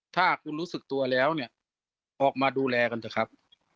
ถ้าคุณรู้สึกตัวแล้วเนี่ยออกมาดูแลกันเถอะครับ